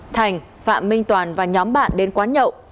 thành phạm minh toàn và nhóm bạn đến quán nhậu